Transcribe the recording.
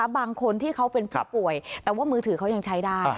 บางคนที่เขาเป็นผู้ป่วยแต่ว่ามือถือเขายังใช้ได้